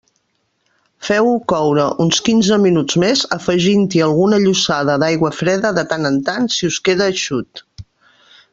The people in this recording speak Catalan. Feu-ho coure uns quinze minuts més, afegint-hi alguna llossada d'aigua freda de tant en tant si us queda eixut.